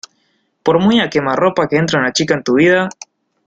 por muy a_quemarropa que entre una chica en tu vida,